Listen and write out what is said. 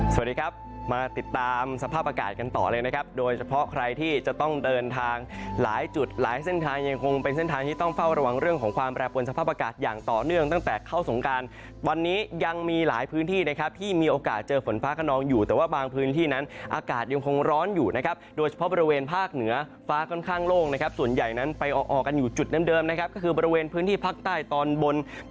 สวัสดีครับมาติดตามสภาพอากาศกันต่อเลยนะครับโดยเฉพาะใครที่จะต้องเดินทางหลายจุดหลายเส้นทางยังคงเป็นเส้นทางที่ต้องเฝ้าระวังเรื่องของความแปรปวนสภาพอากาศอย่างต่อเนื่องตั้งแต่เข้าสงการวันนี้ยังมีหลายพื้นที่นะครับที่มีโอกาสเจอฝนฟ้ากระนองอยู่แต่ว่าบางพื้นที่นั้นอากาศยังคงร้อนอยู่นะครับ